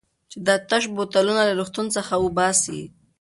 چې دا تش بوتلونه له روغتون څخه وباسي.